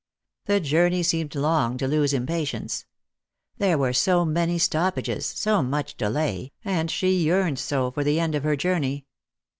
The journey seemed long to Loo's impatience. There were so many stoppages, so much delay, and she yearned so for the end of her journey.